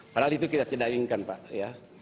padahal itu kita tidak inginkan pak ya